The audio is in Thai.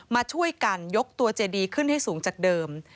มาช่วยกันยกตัวเจดีขึ้นให้สูงจากเดิม